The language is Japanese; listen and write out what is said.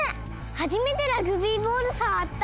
はじめてラグビーボールさわった！